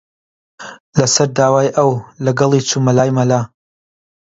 لەسەر داوای ئەو، لەگەڵی چوومە لای مەلا